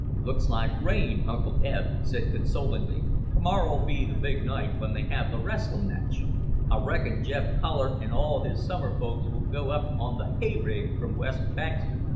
"Looks like rain," Uncle Eb said consolingly; "to morrer'll be the big night when they have the wrestlin' match. I reckon Jeb Collard n' all his summer folks will go up on th' hay rig from West Baxter.